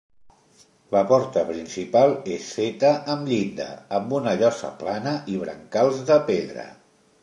La porta principal és feta amb llinda amb una llosa plana i brancals de pedra.